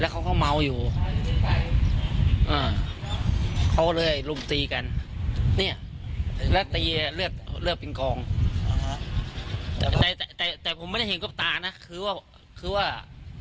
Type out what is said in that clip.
คือว่าคือว่า